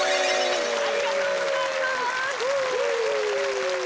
ありがとうございます！